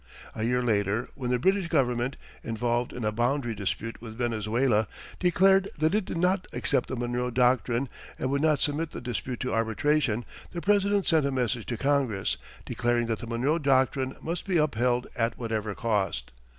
A year later, when the British Government, involved in a boundary dispute with Venezuela, declared that it did not accept the Monroe Doctrine and would not submit the dispute to arbitration, the President sent a message to Congress, declaring that the Monroe Doctrine must be upheld at whatever cost.